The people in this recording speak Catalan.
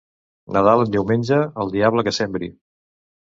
Nadal en diumenge, el diable que sembri.